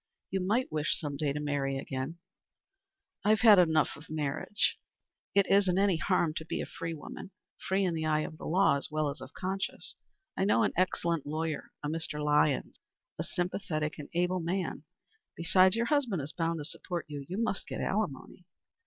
You might wish some day to marry again." "I have had enough of marriage." "It isn't any harm to be a free woman free in the eye of the law as well as of conscience. I know an excellent lawyer a Mr. Lyons, a sympathetic and able man. Besides your husband is bound to support you. You must get alimony."